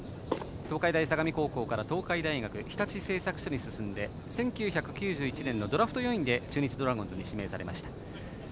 東海大相模高校から東海大学日立製作所に進んで１９９１年のドラフト４位で中日ドラゴンズに指名されました。